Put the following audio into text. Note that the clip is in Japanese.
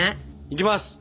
いきます！